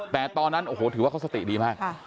แต่ตอนนั้นโอ้โหถือว่าเขาสติดีมาก